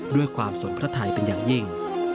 ด้วยความสนพระไทยเป็นอย่างยิ่ง